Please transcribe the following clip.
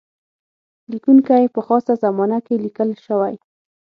لیکونکی په خاصه زمانه کې لیکل شوی.